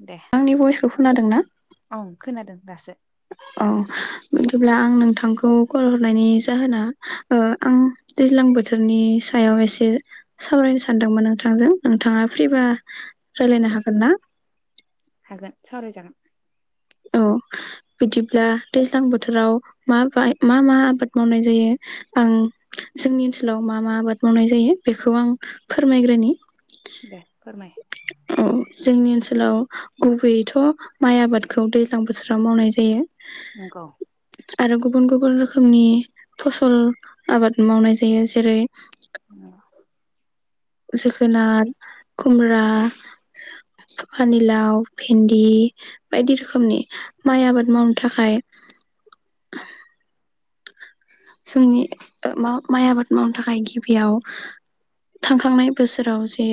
दे आंनि भइसखौ खोनादों ना? ओं खोनादों दासो। अ बिदिब्ला आं नोंथां खौ कल हरनायनि जाहोना ओ आं दैज्लां बोथोरनि सायाव एसे सावरायनो सानदोंमोन नोंथांजों। नोंथाङा फ्रिबा रायलायनो हागोन ना? हागोन सावराय जागोन। औ बिदिब्ला दैज्लां बोथोराव माबाय मा मा आबाद मावनाय जायो? ओ जोंनि ओनसोलाव मा मा आबाद मावनाय जायो? बेखौ आं फोरमायग्रोनि। दे फोरमाय। औ जोंनि ओनसोलाव गुबैयैथ' माइ आबाद खौ दै ज्लां बोथोराव मावनाय जायो। नंगौ आरो गुबुन गुबुन रोखोमनि फसल आबाद मावनाय जायो। जेरै औ। जोगोनार खुमब्रा, फानिलाव, भेन्दि बायदि रोखोमनि। माइ आबाद मावनो थाखाय जोंनि मा-माइ आबाद मावनो थाखाय गिबियाव थांखांनाय बोसोराव जे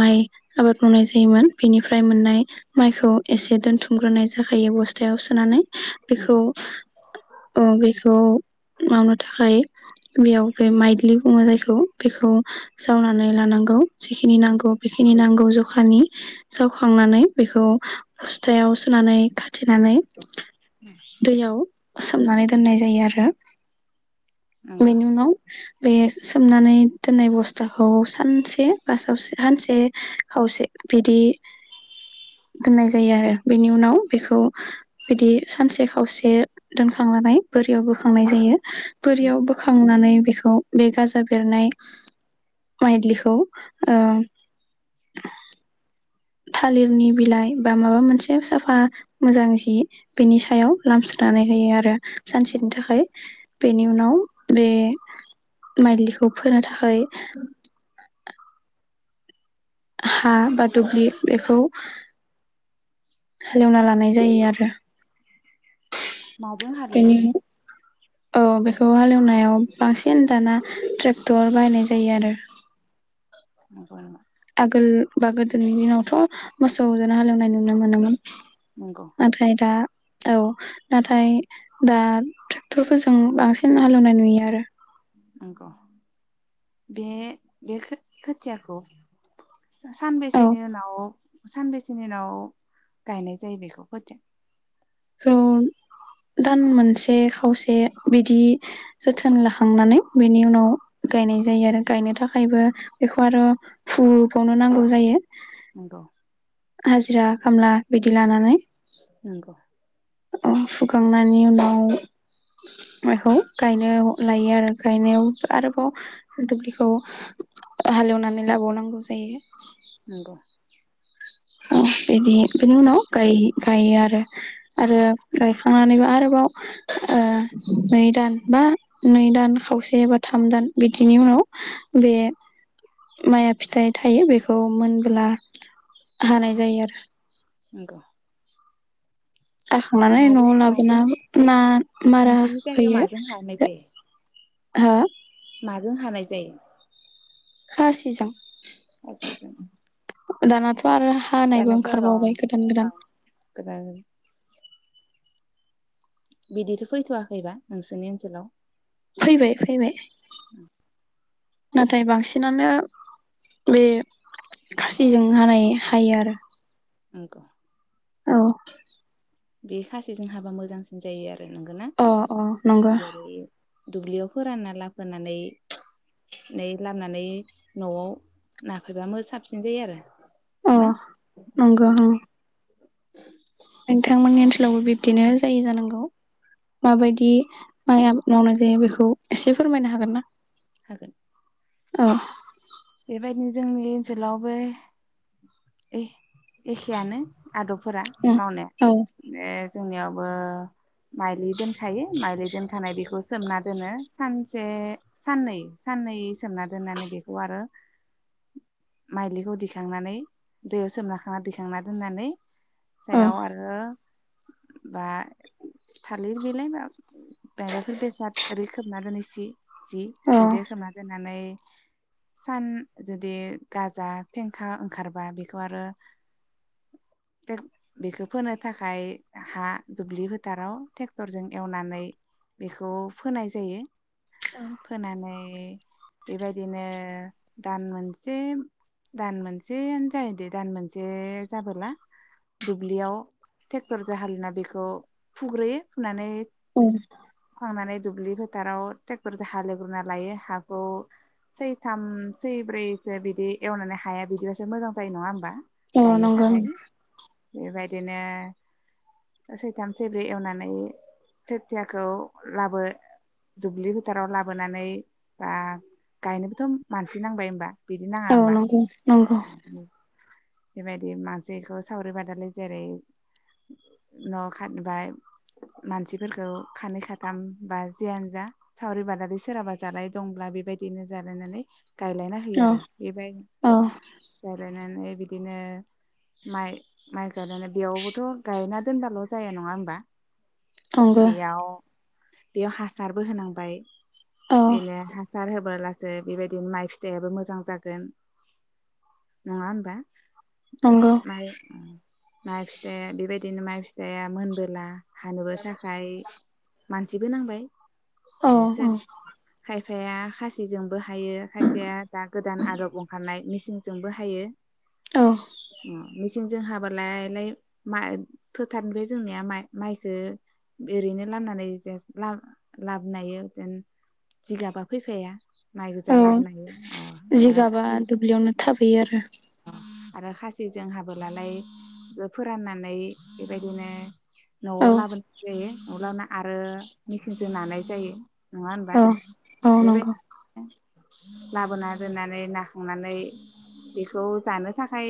माइ आबाद मावनाय जायोमोन बेनिफ्राय मोननाय माइखौ एसे दोनथुमग्रोनाय जाखायो बस्थायाव सोनानै। बेखौ नंगौ अ बेखौ मावनो थाखाय [unintelligible] बेयाव बे माइदलि बुङो जायखौ बेखौ जावनानै लानांगौ। जिखिनि नांगौ बेखिनि नांगौ ज- खानि जावखांनानै बेखौ फस्थायाव सुनानै खाथिनानै दैयाव सोमनानै दोननाय जायो आरो नंगौ बेनि उनाव बे सोमनानै दोननाय बस्थाखौ सानसे बा सावसे सानसे खावसे बिदि दोननाय जायो आरो बेनि उनाव बेखौ बिदि सानसे खावसे दोनखांनानै बोरियाव बो खांनाय जायो। बोरियाव नंगौ बोखांनानै बेखौ बे गाजा बेरनाय माइद्लिखौ ओ थालिरनि बिलाइ बा माबा मोनसे साफा मोजां जि बेनि सायाव लामस्रोनानै होयो आरो सानसेनि थाखाय। बेनि उनाव बे माइलिखौ फोनो थाखाय हा बा दुब्लि बेखौ हालेवना लानाय जायो आरो। माजों हालेवो बेनि बे उनाव औ बेखौ हालेवनायाव बां सिन दाना ट्रेक्टर बाहायनाय जायो आरो नंगौ नामा? आगोल बा गोदोनि दिनावथ' मोसौ जोनो हालेवनाय नुनो मोनोमोन। नंगौ नाथाय दा औ नाथाय दा ट्रेक्टरफोरजों बांसिन हालेवनाय नुयो आरो। नंगौ बे बे खोथियाखौ। औ सानबेसेनि उनाव। सान बेसेनि उनाव गायनाय जायो बेखौ [unintelligible] स दान मोनसे खावसे बिदि जोथोन लाखांनानै बेनि उनाव गायनाय जायो आरो गायनो थाखायबो बेखौ आरो फुबावनो नांगौ जायो। नंगौ। हाजिरा खामला बिदि लानानै। नंगौ अ सुखांनायनि उनाव बेखौ गायनो लायो आरो गायनायाव आरोबाव दुब्लिखौ हालेवनानै लाबावनांगौ जायो। नंगौ ओ बिदि बिनि उनाव गाय-गायो आरो आरो गायखांनानैबो आरोबाव ओ नै दान बा नै दान खावसे एबा थाम दान बिदिनि उनाव बे माइया फिथाइ थायो बेखौ मोनब्ला। हानाय जायो आरो। [inaudible] हाखांनानै न'आव माजों लाबोना माजों ना मारा नोंसोरनि जायगायाव होयो माजों हानाय जायो हो जों हानाय जायो। खासि जों। [inaudible] [unintelligible] बार हानायबो दानाथ' ओं ओंखारबावबाय गोदान गोदान। ओं गोदान बिदिथ' फैथ'वाखैबा नोंसोरनि ओनसोलाव। फैबाय फैबाय। नाथाय बांसिनानो बे खासिजों हानाय हायो आरो। नंगौ। औ। बे खासिजों हाबा मोजांसिन जायो आरो। नंगौना अ अ नंगौ। जेरै दुब्लियाव फोरानना लाफोनानै नै लामनानै न'आव नाफैबा मो साबसिन जायो आरो। अ ना नंगो [unintelligible] नोंथांमोननि ओनसोलावबो बिब्दिनो जायो जानांगौ माबायदि माइ आबाद मावनाय जायो बेखौ एसे फोरमायनो हागोन ना। हागोन। औ। बेबायदिनो जोंनि ओनसोलावबो ए एखेयानो। आदबफोरा मावनाय औ [unintelligible] जोंनियावबो माइलि दोनखायो माइलि दोनखानाय बेखौ सोमना दोनो सानसे साननै साननै सोमना दोननानै बेखौ आरो। माइलिखौ दिखांनानै दैयाव सोम लाखांना दिखांना दोननानै। जायाव आरो। बा थालिर बिलाइ बा मायबाफोर बेसाद ओरै खोबना दोनै सि जि औ बिदि खोबना दोननानै। सान जुदि गाजा फेंखा ओंखारबा बेखौ आरो बेखौ फोनो थाखाय हा दुब्लि फोथाराव टेक्टरजों एवनानै बेखौ फोनाय जायो। फोनानै। [unintelligible] बेबायदिनो। दान मोनसे दान मोनसेयानो जायो दे दान मोनसे जाबोला दुब्लियाव टेक्टर जों हालिना बेखौ फुग्रोयो फुनानै। औ। फुखांनानै दुब्लि फोथाराव टेक्टरजों हालेवग्रोनना लायो हाखौ सैथाम सै ब्रैसो बिदि एवनानै हाया बिदिबासो मोजां जायो नङा होनोमबा? औ गायनो नंगौ थाखाय बेबायदि बिदिनो सैथाम सैब्रै एवनानै खोथियाखौ लाबो दुब्लि फोथाराव लाबोनानै बा गायनोबोथ' मानसि नांबाय होमबा। बिदि नाङा औ होमबा नंगौ नंगौ। बेबायदि मानसिखौ सावरि बादालि जेरै न' खा बा मानसिफोरखौ खानै खाथाम बा जियानो जा सावरि बादालि सोरहाबा जालाय दंब्ला बेबायदिनो जालायनानै गायलायना होयो औ आरो बेबायदि औ गायलायनानै बिदिनो माइ माइ गायनानै बेयावबोथ' गायना दोनबाल' जाया नङा होमबा? नंगौ बियाव बेयाव हासारबो होनांबाय। औ बिनो हासार होबोलास सो बेबायदिनो माइ फिथाइयाबो मोजां जागोन नङा होमबा? नंगौ। माइ माइ फिथाइआ बेबायदिनो माइ फिथाइया मोनबोला। हानोबो थाखाय। मानसिबो नांबाय। औ औ एसोर खायफ बिफाया खासिजोंबो हा हायो खायसेया दा गोदान आदब ओंखारनाय मिसिन जेजोंबो हायो। उम मिसिन जोंहाबालायलाय माय फोथारनोफाय जोंनिया माइ-माइखो ओरैनो लामनानै जो ला लाबोनाहायो जिगाबा फैफाया। माइ गोजा औ लाबोनो हायो अ आरो जिगाबा खासि दुब्लियावनो थाबोयो आरो। आरो खासिजों हाबोलालाय फोराननानै बेबायदिनो। न'आव औ लाबो नाय जायो। न आव लाबोना आरो मेचिनजों नानाय जायो। नङा होनबा औ औ नंगौ बेबायदिनो? लाबोना दोननानै नाखांनानै बेखौ जानो थाखाय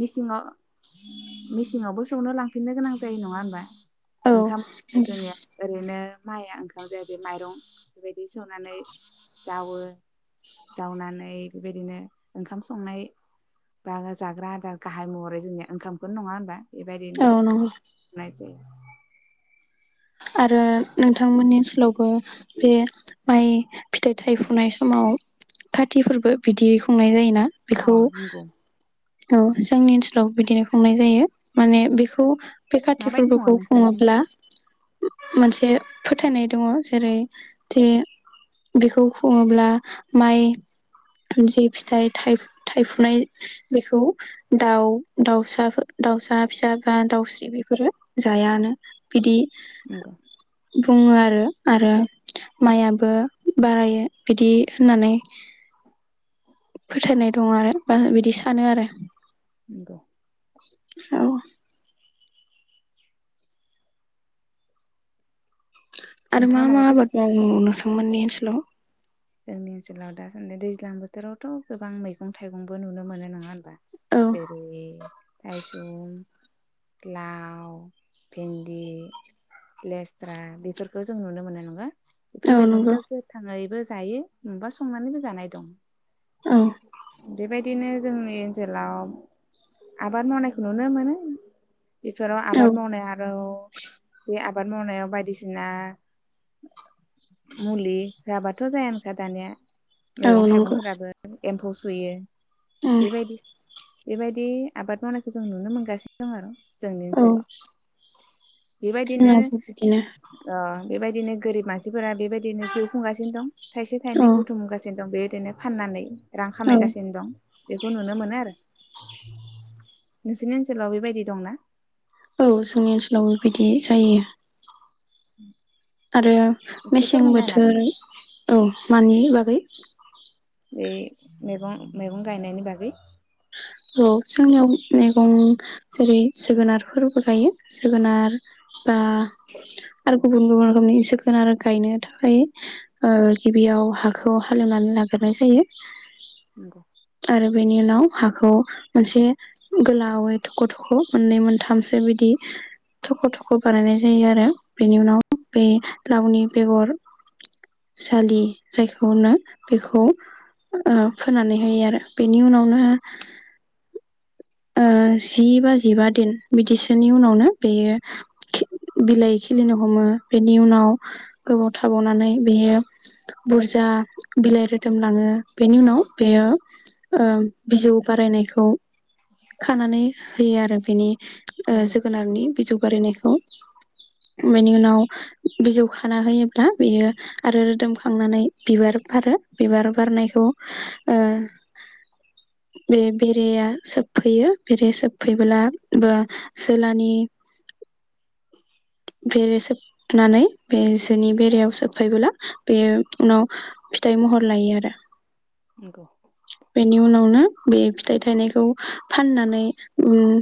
मिसिङाव-मिसिंआवबो सौनो लांफिननो गोनां जायो नङा होनबा? औ ओंखाम जोंनिया ओरैनो। माइआ ओंखाम जायो बे माइरं बेबायदि सौनानै जावो जावनानै बेबायदिनो ओंखाम संनाय बा जाग्रा आदार गाहाय महरै जोंनिया ओंखामखौनो नङा होनबा। बेबायदिनो औ नंगौ होनाय आरो नोंथांमोननि ओनसोलावबो बे माइ फिथाइ थाइ फुनाय समाव कारथिफोरबो बिदि खुंनाय जायोना। बेखौ अह नंगौ। औ जोंनि ओनसोलावबो बिदिनो खुंनाय जायो माने बेखौ बे काति माबायदि सङो फोरबोखौ नोंसोरनि खुङोब्ला ओनसोलाव मोनसे फोथायनाय दङ जेरै जे बेखौ खुङोब्ला माइ जि फिथाइ थाइफु-थाइफुनाय। बेखौ दाउ दाउसाफोर दाउसा फिसा बा दाउस्रि बेफोरो जायानो बिदि। नंगौ। बुङो आरो आरो माइयाबो बारायो बिदि होननानै। फोथायनाय दं आरो बा बिदि सानो आरो। नंगौ। औ। आरो मा नोंथाङा मा माबाफोर आबाद नुनो सा मोननि ओनसोलाव जोंनि ओनसोलाव दासान्दि दैज्लां बोथोरावथ' गोबां मैगं थाइगंबो नुनो मोनो नङा होनबा। औ जेरै लायसुं लाव भेन्दि लेसथ्रा बेफोरखौ जों नुनो मोनो नङा। बेफोर औ मैगंखौथ नंगौ गोथाङैबो जा जायो नबा संनानैबो जानाय दं औ बेबायदिनो जोंनि ओनसोलाव आबाद मावनायखौ नुनो मोनो बेफोराव औ आबाद मावनाय आरो बे आबाद मावनायाव बायदिसिना मुलि राबाद थ' जायानोखा दानिया औ मैगं नंगौ थाइगंफोराबो एम्फौ सुयो उम बेबायदि बेबायदि आबाद मावनायखौ जों नुनो मोनगासिनो दं आरो। जोंनि औ ओनसोलाव बेबायदिनो जोंनाबो बिदिनो ओ बेबायदिनो गोरिब मानसिफोरा बेबायदिनो जिउ खुंगासिनो दं। थाइसे औ थाइनै बुथुम गासिनो दं बे दिनो फाननानै रां औ खामायगासिनो दं। बेखौ नुनो मोनो आरो नोंसोनि ओनसोलाव बेबायदि दंना औ जोंनि ओनसोलाव बेबायदि जायो [inaudible] आरो एसे मेसें फोरमायना होनो हागोन बोथोर औ मानि बागै? बे मैगं मैगं गायनायनि बागै औ जोंनियाव मैगं जेरै जोगोनारफोरबो गायो जोगोनार बा आरो गुबुन गुबुन रोखोमनि जोगोनार गायनो थाखाय ओ गिबियाव हाखौ हालेवनानै लाग्रनाय जायो नंगौ आरो बेनि उनाव हाखौ मोनसे गोलावै थख' थख' मोननै मोनथामसो बिदि थख' थख' बानायनाय जायो आरो बेनि उनाव बे लावनि बेगर जालि जायखौनो बेखौ ओ फोनानै होयो आरो बेनि उनावनो ओ जि बा जिबा दिन बिदिसोनि उनावनो बेयो खि बिलाइ खिलिनो हमो बेनि उनाव गोबाव थाबावनानै बेयो बुरजा बिलाइ रोदोमलाङो बेनि उनाव बेयो ओ बिजौ बारायनायखौ खानानै होयो आरो बिनि ओ नंगौ जोगोनारनि बिजौ बारायनायखौ बेनि उनाव बिजौ खाना होयोब्ला बियो आरो रोदोमखांनानै बिबार बारो बिबार बारनायखौ ओ बे बेरेया सोबफैयो बेरे सोबफैब्ला बो जोलानि [unintelligible] बेरे सोबनानै बे जोनि बेरेयाव सोबफैबोला बे उनाव फिथाइ महर लायो आरो नंगौ बेनि उनावनो बे फि- थाइ थायनायखौ फाननानै उम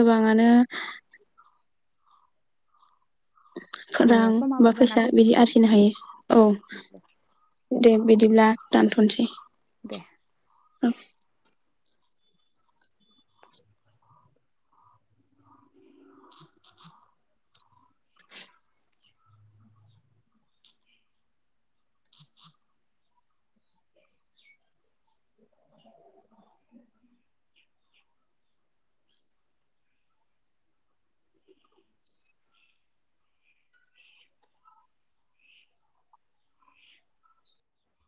गोबाङानो रां जोंनिया समाबो बा जाना फैसा फैबाय बिदि नङा आरजिनो हायो औ दे बिदिब्ला दानथ'सै। दे। ओं।